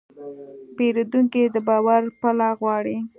پیرودونکی د باور پله غواړي.